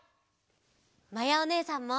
まやおねえさんも！